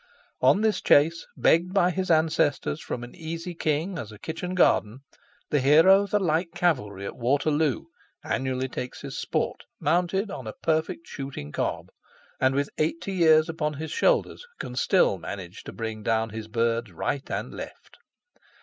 On this chase, begged by his ancestors from an easy king as a kitchen garden, the hero of the Light Cavalry at Waterloo annually takes his sport, mounted on a perfect shooting cob, and with eighty years upon his shoulders, can still manage to bring down his birds right and left.